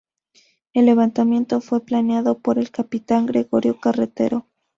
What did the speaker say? El levantamiento fue planeado por el capitán Gregorio Carretero.